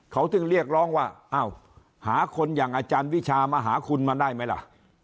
เขาถึงเรียกร้องว่าอ้าวหาคนอย่างอาจารย์วิชามาหาคุณมาได้ไหมล่ะ